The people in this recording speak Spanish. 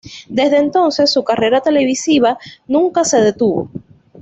Desde entonces su carrera televisiva nunca se detuvo.